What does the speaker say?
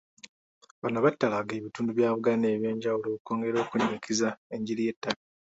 Bano batalaaga ebitundu bya Buganda ebyenjawulo okwongera okunnyikiza enjiri y'ettaka.